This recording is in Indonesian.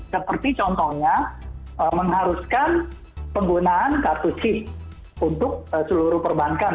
seperti contohnya mengharuskan penggunaan kartu k untuk seluruh perbankan